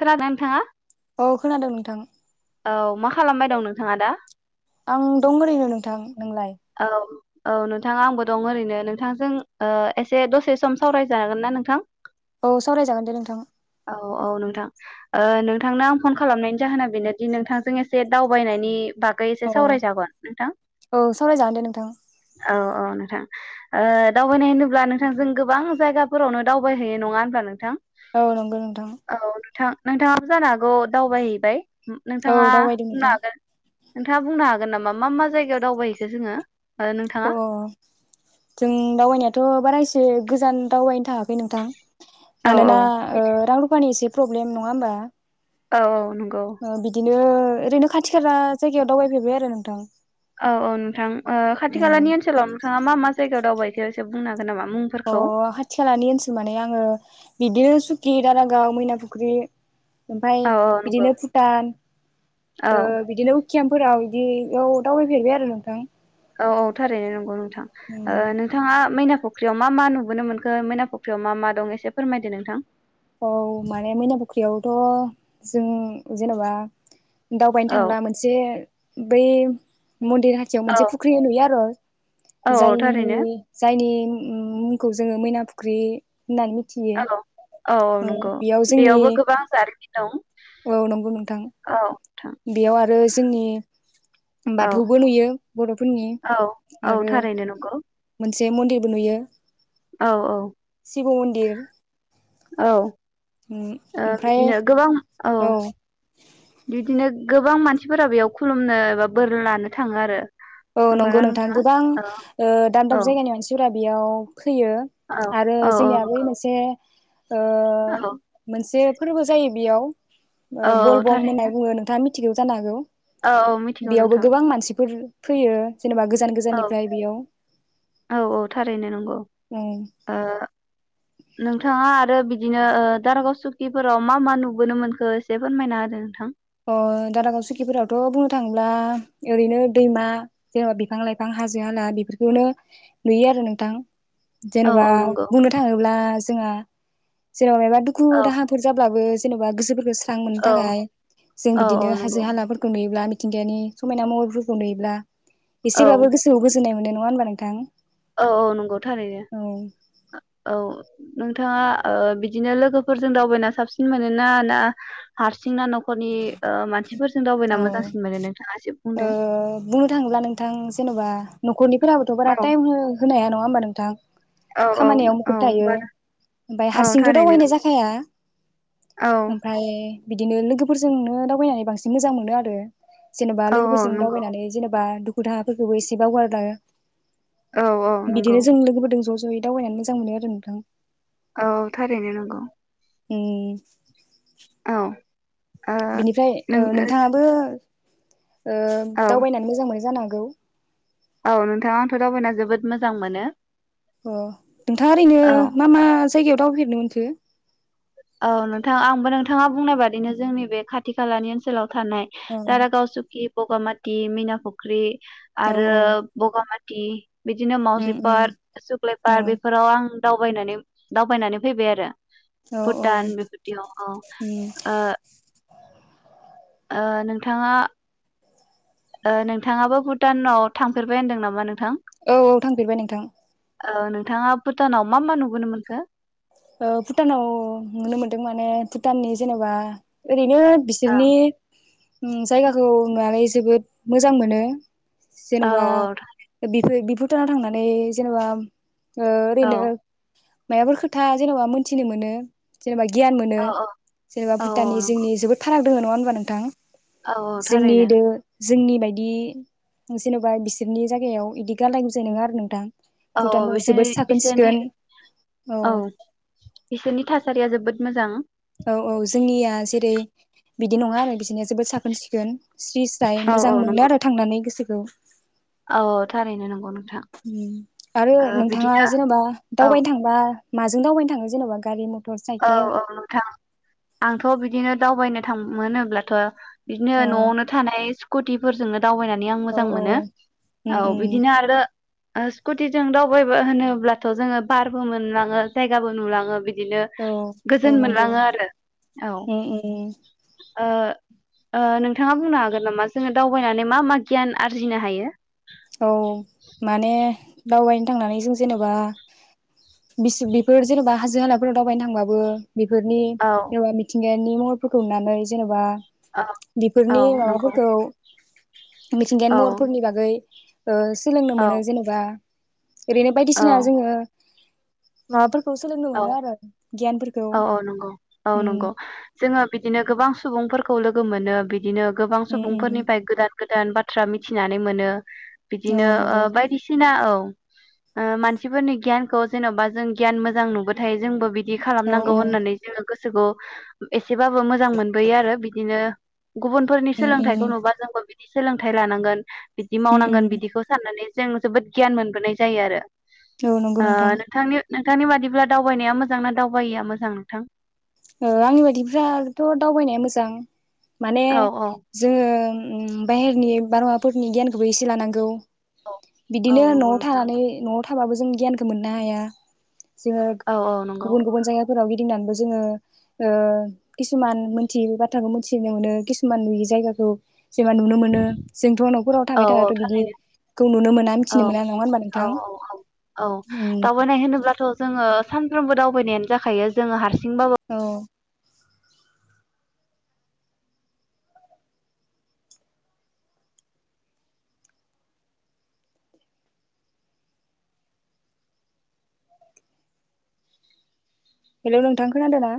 खोनादों ना नोंथाङा? औ खोनादों नोंथां। औ मा खालामबाय दं नोंथाङा दा? आं दं ओरैनो नोंथां। नोंलाय औ औ नोंथां आंबो दं ओरैनो, नोंथांजों ओ एसे दसे सम सावरायजानागोन ना नोंथां? औ सावरायजागोन दे नोंथां। औ औ नोंथां ओ नोंथांनो आं फन खालामनायनि जाहोना बेनोदि नोंथांजों एसे दावबायनायनि बागै एसे अ सावरायजागोन नोंथां? औ सावरायजागोन दे नोंथां [inaudible] औ औ नोंथां ओ दावबायनाय होनोब्ला नोंथांजों गोबां जायगाफोरावनो दावबायहैयो नङा होनब्ला नोंथां? औ नगौ नोंथां। औ नोंथां नोंथाङाबो जानो हागौ दावबायहैबाय। औ नोंथाङा दावबायदों बुंनो नोंथां हागोन नोंथाङा बुंनो हागोन नामा? मा मा जायगायाव दावबाय [unintelligible] जोङो ओ नोंथाङा अ जों दावबायनायाथ' बारा एस एसे गोजान दावबायनो थाङाखै नोंथां औ औ मानोना ओ रां रुफखनि एसे प्र'ब्लेम नङा होनबा? औ औ नं ओ बिदि नो ओरैनो खाथि खाला जायगायाव दावबायफेरबाय आरो नोंथां। औ औ नोंथां ओ खाथि उम खालानि ओनसोलाव नोंथाङा मा मा जायगायाव दावबाय खो एसे बुंनो हागोन नामा अ मुंफोरखौ खाथि खालानि ओनसोल माने आङो बिदि सुकि, दारागाव, मैना फुख्रि औ ओमफाय औ नंगौ बिदिनो भुटान औ ओ बिदिनो केमफोराव इदियाव दावबायफेरबाय आरो नोंथां। औ औ थारैनो नंगौ नों थां ओ उम नोंथाङा मैना फुख्रियाव मा मा नुबोनो मोनखो मैना फुख्रियाव मा मा दं एसे फोरमायदो नोंथां औ माने मैना फुख्रियाव थ जों जेन'बा दावबायनो औ थांब्ला मोनसे बै मन्दिर हाथियाव औ मोनसे फुख्रि नुयो आरो औ जायनि थारैनो जायनि मुंखौ जोङो मैना फुख्रि होननानै मिथियो। औ औ औ नंगौ। बेयाव जोंनि बेयावबो गोबां जारिमिन दं औ नंगौ नोंथां। औ नोंथां बेयाव आरो जोंनि औ बाथौबो नुयो बर'फोरनि औ औ आरो थारैनो नंगौ मोन से मन्दिरबो नुयो। औ औ शिब मन्दिर औ ओ ओमफ्राय बिदिनो गोबां औ बिदिनो नो गोबां मानसिफोरा बेयाव खुलुमनो एबा बोर लानो थाङो आरो औ नंगौ नंगौना नोंथां नोंथाङा? गोबां औ ओ दाब औ दाब जायगानि मानसिफोरा बेयाव फैयो औ आरो औ औ जोंनिया बै नंगौ मोनसे ओ औ मोनसे फोरबो जायो बेयाव ओ औ बलबम थारैनो होननाय बुङो नोंथाङा मि थिगौ जानो हागौ औ औ मिथिगौ बेयावबो नोंथां गोबां मानसिफोर फैयो जेनेबा गोजान औ गोजाननिफ्राय बेयाव औ औ थारैनो नंगौ उम ओ नोंथाङा आरो बिदिनो ओ दारागाव सुकिफोराव मा मा नुबोनो मोनखौ एसे फोरमायना होदो नोंथां अ दारागाव सुकिफोरावथ' बुंनो थाङोब्ला ओरैनो दैमा जेनेबा बिफां लाइफां हाजो हाला बेफोरखौनो नुयो आरो नोंथां औ जेनेबा औ नंगौ बुंनो थाङोब्ला जोङो जेनेबा मायबा दुखु औ दाहाफोर जाब्लाबो जेनबा गोसोफोरखो स्रा स्रां मोननो थाखाय जों औ औ बिदिनो नंगौ हाजो हालाफोरखो नुयोब्ला मिथिंगायानि समायना महरफोरखौ नुयोब्ला औ एसेब्लाबो गोसोआव गोजोननाय मोनो नं नंङा होमबा नोंथां? औ औ नंगौ थारैनो औ औ नोंथाङा ओ बिदिनो लोगोफोरजों दावबायना साबसिन मोनोना ना हारसिं सिंना नख'रनि ओ मानसिफोरजों दावबायना ओ मोजांसिन मोनो नोंथाङा ऐसे बुंदों बुंनो थाङोब्ला नोंथां जेन'बा नख'रनिफोराबोथ' बारा टाइम हो होनाया नङा नंङा होमबा नोंथां? औ औ खामानियाव औ मुखुब थायो बारा ओमफाय औ हारसिंथ' थारैनो दावबायनाय नंगौ जाखाया औ ओमफाय बिदिनो लोगो फोरजोंनो दावबायनानै बांसिन मोजां मोनो आरो जेनेबा औ औ लोगोफोरजों नंगौ दावबायनानै जेनेब बा दुखु दाहाफोरखोबो एसे बावगारलाङो औ औ नंगौ बिदिनो जों लोगोफोरदों ज' ज' जयै दावबायनानै मोजां मोनो आरो नोंथां औ थारैनो नंगौ [unintelligible] औ ओ बिनिफ्राय नों ओ नोंथाङाबो ओ औ दावबायनानै मोजां मोनो जा गौ औ नोंथां आंथ दावबायना जोबोद मोजां मोनो। अ नोंथाङा ओरैनो औ मा मा जायगायाव दावबायफेरनो मोनखो। औ नोंथां आंबो नोंथाङा बुंनाय बादिनो जोंनि बे खाथि खालानि ओनसोलाव थानाय अ दारागाव सुकि बगामाति मैना फख्रि। औ आरो औ बगामात दि बिदिनो उम माउजि उम पार्क सुक्लाय औ पार्क बेफोराव आं दावबायनानै दावबायनानै फैबाय आरो। औ औ भुटान बेफोरदियाव औ ओ उम । ओ नोंथाङा ओ नोंथाङाबो भुटानाव थांफेरबाय होनदों नामा नों? औ औ थांफेरबाय नोंथां। ओ नोंथाङा भुटानाव मा मा नुबोनो मोनखो? ओ भुटानाव नुनो मोनदों माने भुटाननि जेनेबा बिनो औ बिसोरनि उम जायगाखौ नुनानै जोबोद मोजां मोनो। औ जेनबा बिफोर बिब भुटानाव थांनानै जेनेबा ओ औ ओरैनो। मायाफोर खो था जेनबा मोनथिनो मोनो। जेनेबा गियान मोनो औ औ जेनेबा औ भुटाननि नंगौ जोंनि जोबोद फाराग दोङो नङा होनबा नोंथां। औ औ जोंनि थारैनो। दो जोंनि बायदि जेनबा बिसोरनि जागायाव इदि गालाय गुजाय नङा आरो नोंथां। औ भुटानाव जोबोद बिसोरनि साखोन बिसोरनि सिखोन औ। बिसोरनि थासारिया जोबोद मोजां। औ औ जोंनिया जेरै बिदि नङा आरो बिसनिया जोबोद साखो मोनसिगोन। स्रि स्राय औ औ मोजां मोनो नंगौ आरो थांनानै गोसो ज औ थारैनो नंगौ नों। उम आरो नोंथाङा जेनबा औ दावबायनो थांबा माजों दावबायनो थाङो जेनबा गारि म औ औ नोंथां आंथ बिदिनो। दावबायनो थां मोनोब्लाथ। बिदिनो औ नआवनो थानाय कुटिफोरजोंनो दावबायनानै आं औ मोजां मोनो औ बिदिनो आरो ओ स्कुटिजों दावबायबा होनोब्लाथ जोङो बारबो मोनलाङो जायगाबो नुलाङो बिदिनो औ औ गोजोन नंगौ मोनलाङो आरो औ उम उम ओ ओ नोंथाङा बुंनो हागोन नामा जोङो दावबायनानै मा मा गियान आरजिनो हायो औ माने दावबायनो थांनानै जों जेनबा बिस बिफोर जेनेबा हाज [unintelligible] दावबायनो थांबाबो बेफोरनि औ जेनबा मिथिंगाय नि महरफोरखौ नुनानै जेनबा औ औ बेफोरनि नंगौ माबाफोरखौ मिथिंगायारि औ महरफोरनि बागै ओ सोलोंनो औ मोनो जेनेबा ओरैनो बायदिसिना औ जोङो माबाफोर औ औ औ नंगौ औ उम नंगौ जोङो बिदिनो गोबां सुबुंफोर खौ लोगो मोनो बि दिनो गोबां उम उम सुबुंफोरनिफ्राय गोदान गोदान बाथ्रा मिथिनानै मोनो औ बिदिनो ओ नंगौ बायदिसिना औ ओ मानसिफोरनि गियानखौ जेनबा जों गियान मोजां नुबो थाय जोंबो बि दि औ खालामनांगौ औ होननानै जोङो गोसोखौ ए सेबाबो मोजां मोनबोयो आरो बिदिनो। गुबुनफोरनि उम सोलोंथाइखौ उम नुबा जोंबो। सोलोंथाइ लानांगोन। बिदि उम मावनांगोन उम बिदिखौ साननानै। जों जोबोद गियान मोनबोनाय जायो आरो। औ नंगौ नोंथां। नोंथांनिबादि। ब्ला दावबायनाया मोजां ना दावबाययिया मोजां नोंथां। ओ आंनि बायदिफ्राथ दावबायनाया मोजां। माने औ औ जोङो। ओम बाहेरनि बारहावाफोरनि गियानखौबो एसे लानांगौ। औ औ बिदिनो नंगौ नआव नोंथां थानानै नआव थ। थाबाबो जों गियानखौ मोननो हाया। जोङो औ औ नंगौ गुबुन गुबुन जायगा फोरफोराव गिदिंनानैबो जोङो। ओ किसुमान मोनथियै बाथ्राखौ मिथिनो मोनो किसुमान नुयै जायगाखौ। जोङो नुनो मोनो। जोंथ नखराव औ थाबाय औ थाबाथ थारैनो बिदिखौ नुनो मोना औ मिथिनो मोना नङा होनबा औ नोंथां। औ औ दावबायनाय होनोब्लाथ' जोङो सानफ्रोमबो दावबायनायानो जाखायो जोङो हार औ। हेलौ नोंथां खोनादोंना?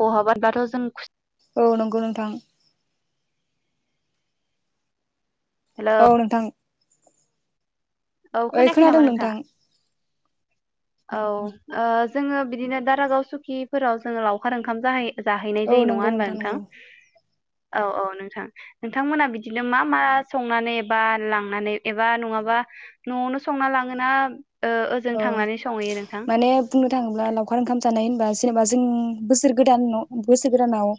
बहाबा बाथ जों। औ नंगौ नोंथां। हेलौ औ नोथां। औ ओइ खोनायाखै नामा खोनादों नोंथाङा नोंथां। औ आ। जोङो बिदिनो दारागाव सुकिफोराव जोङो लावखार ओंखाम जाहै जाहैनाय औ जायो नङा नंगौ होनबा नोंथां। नंगौ औ औ नोंथां नोंथांमोना बिदिनो मा मा संनानै एबा लांनानै एबा नङाबा। नआवनो संना लाङोना। ओ ओजों अ थांनानै संहैयो नोंथां माने बुंनो थाङोब्ला लावखार ओंखाम जानाय होनबा। जेनेबा जों बोसोर गोदान बोसोर गोदानाव ओ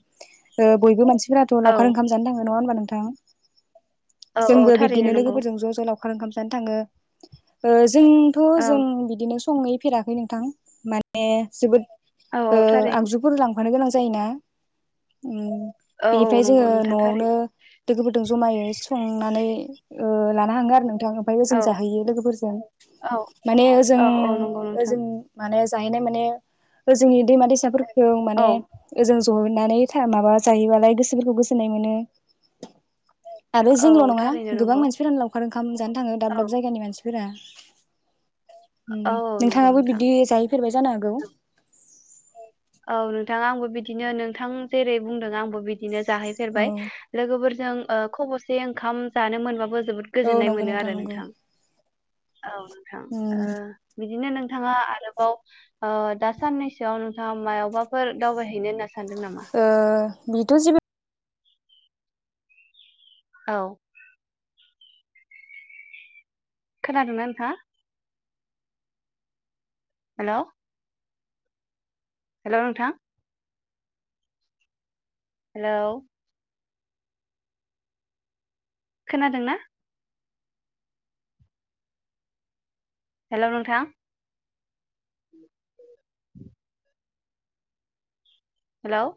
बयबो मानसि फोराबथ औ लावखार ओंखाम जानो थाङो नङा होनबा नों थां औ औ जोंबो थारैनो बिब्दिनो नंगौ लोगोफोरजों ज जल। लावखार ओंखाम जानो थाङो ओ जों औ जों बिदिनो सङै फेराखै नोंथां माने जोबोद औ औ थारैनो फाखानो गोनां जायोना ओम औ औ बेनिफ्राय नंगौ जोङो नोंथां न'आवनो थारैनो लोगोफोरजों जमायै संनानै ओ लाना थाङो आरो नों थां ओमफ्राय औ ओजों जाहैयो लोगोफोरजों। औ माने ओजों औ औ नंगौ नोंथां ओजों माने जाहैनाय माने जोंनि दैमा दैसाफोरखौ जों औ माने ओजों जनानै माबा जायोबालाय गोसोफोरखौ गोजोननाय मोनो आरो औ जोंल' नङा थारैनो गोबां नंगौ मानसिफोरानो लावखार ओंखाम जानो थाङो औ दाब दाब जायगानि मानसिफोर फोरा औ नंगौ नोंथाङाबो नोंथां बिदि जाहैफेरबाय जानो हागौ औ नोंथां आंबो बिदिनो नोंथां जेरै बुंदों आंबो बि दिनो औ जाहैफेरबाय लोगोफोरजों ओ खबसे ओंखाम जानो मोनबाबो जोबोद औ गोजोननाय नंगौ मोनो आरो नंगौ नोंथां औ नोंथां ओ उम बिदिनो नोंथाङा आरोबाव ओ दा साननैसोआव मायावबाफोर दावबाय ओ बेथ' जि औ खोनादोंमोन नोंथांङा हेल हेल नोंथा हेल खोनादोंना हेल नोंथां [inaudible] हेल